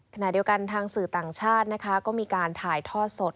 ขณะเดียวกันทางสื่อต่างชาตินะคะก็มีการถ่ายทอดสด